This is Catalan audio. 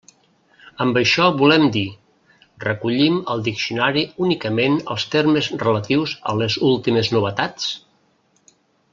Amb això volem dir: recollim al diccionari únicament els termes relatius a les últimes novetats?